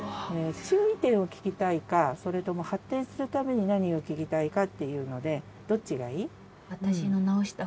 注意点を聞きたいかそれとも発展するために何を聞きたいかっていうのでどっちがいい？